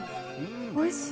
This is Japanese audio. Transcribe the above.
おいしい。